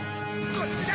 こっちだ！